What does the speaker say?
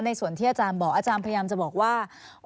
ส่วนที่อาจารย์บอกอาจารย์พยายามจะบอกว่า